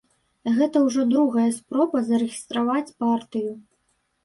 Гэта ўжо другая спроба зарэгістраваць партыю.